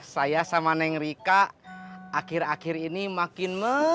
saya sama neng rika akhir akhir ini makin